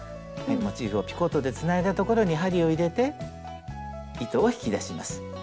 モチーフをピコットでつないだ所に針を入れて糸を引き出します。